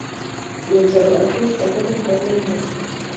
yechoru asista kobet rewonde